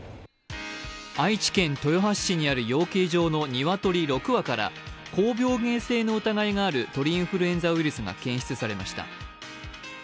愛知県豊橋市にある養鶏場の鶏６羽から高病原性の疑いがある鳥インフルエンザが検出されました。